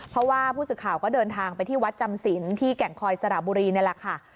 เพราะว่าผู้สื่อข่าวก็เดินทางไปที่วัดจำศิลป์ที่แก่งคอยสระบุรีนี่แหละค่ะ